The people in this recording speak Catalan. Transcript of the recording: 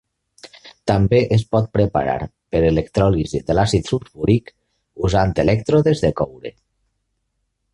També es pot preparar per electròlisi de l'àcid sulfúric, usant elèctrodes de coure.